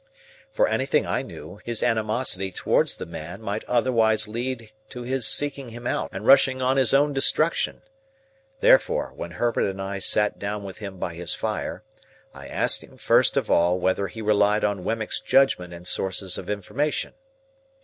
For anything I knew, his animosity towards the man might otherwise lead to his seeking him out and rushing on his own destruction. Therefore, when Herbert and I sat down with him by his fire, I asked him first of all whether he relied on Wemmick's judgment and sources of information?